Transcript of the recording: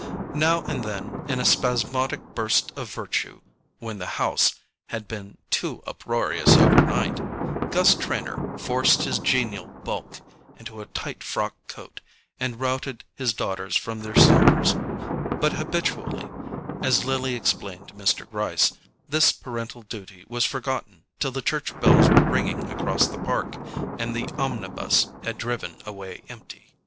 Now and then, in a spasmodic burst of virtue—when the house had been too uproarious over night—Gus Trenor forced his genial bulk into a tight frock coat and routed his daughters from their slumbers; but habitually, as Lily explained to Mr. Gryce, this parental duty was forgotten till the church bells were ringing across the park, and the omnibus had driven away empty.